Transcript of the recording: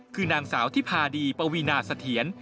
คือนางสาวที่พาดีปวีนาเสถียร